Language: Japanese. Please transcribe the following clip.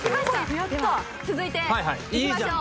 続いていきましょう。